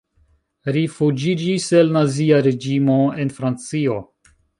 Rifuĝiĝis el nazia reĝimo en Francio.